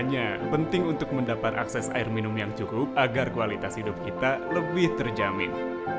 gimana kalau nggak ada air ya mah